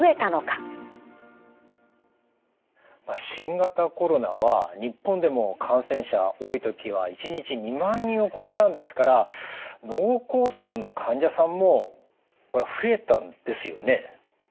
新型コロナは日本でも感染者多い時は１日２万人を超えたんですから脳梗塞の患者さんもこれは増えたんですよね？